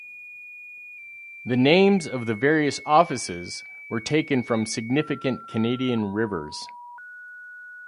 The names of the various offices were taken from significant Canadian rivers.